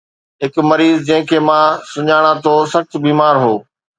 هڪ مريض جنهن کي مان سڃاڻان ٿو سخت بيمار هو